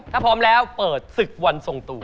ถ้าพร้อมแล้วเปิดศึกวันทรงตัว